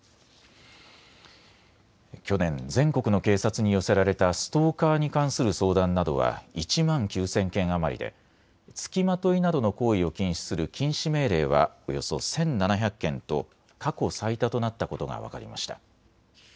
去年、全国の警察に寄せられたストーカーに関する相談などは１万９０００件余りで付きまといなどの行為を禁止する禁止命令はおよそ１７００件と過去最多となったことが分かりました。